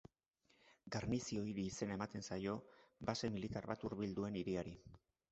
Garnizio-hiri izena ematen zaio base militar bat hurbil duen hiriari.